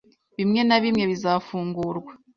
bimwe na bimwe bizafungurwa